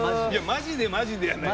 「マジでマジで」やない。